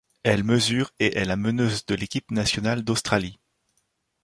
Elle mesure et est la meneuse de l’équipe nationale d’Australie.